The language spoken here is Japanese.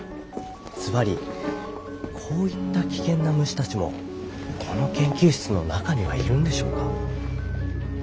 ずばりこういった危険な虫たちもこの研究室の中にはいるんでしょうか？